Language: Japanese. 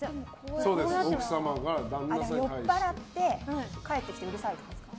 酔っぱらって帰ってきてうるさいとかですか？